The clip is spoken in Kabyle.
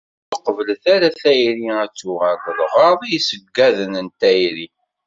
Ur qebblet ara tayri ad tuɣal d lɣerḍ i yiṣeggaden n tayri.